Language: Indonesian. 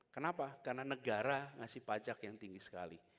kenapa karena negara ngasih pajak yang tinggi sekali